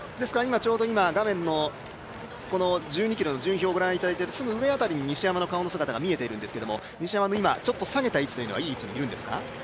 ちょうど今、画面の１２ｋｍの順位表をご覧いただいているそのすぐ後ろ辺りに西山の顔の姿が見えてるんですけど、西山は今いい位置にいるんですか？